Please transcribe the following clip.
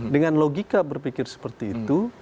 dengan logika berpikir seperti itu